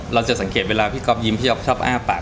เราจะสังเกตเวลาพี่ก๊อฟยิ้มพี่ก๊อฟชอบอ้าปาก